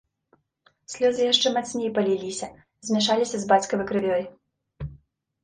Слёзы яшчэ мацней паліліся, змяшаліся з бацькавай крывёй.